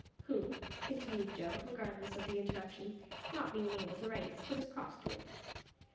"Who," continued Joe, regardless of the interruption, "not bein' able to write, has put his cross to it."